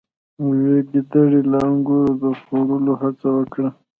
یوې ګیدړې له انګورو د خوړلو هڅه وکړه.